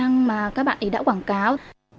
nhưng mà các bạn ấy đã quảng cáo